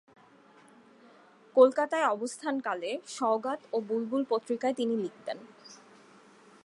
কলকাতায় অবস্থানকালে, সওগাত ও বুলবুল পত্রিকায় তিনি লিখতেন।